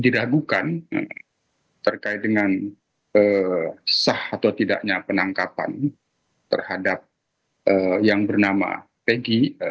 diragukan terkait dengan sah atau tidaknya penangkapan terhadap yang bernama peggy